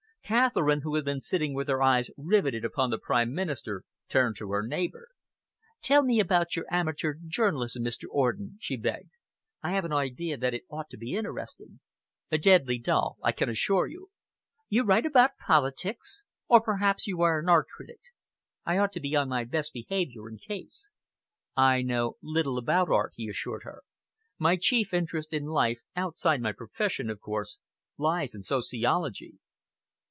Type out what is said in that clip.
Catherine, who had been sitting with her eyes riveted upon the Prime Minister, turned to her neighbour. "Tell me about your amateur journalism, Mr. Orden?" she begged. "I have an idea that it ought to be interesting." "Deadly dull, I can assure you." "You write about politics? Or perhaps you are an art critic? I ought to be on my best behaviour, in case." "I know little about art," he assured her. "My chief interest in life outside my profession, of course lies in sociology."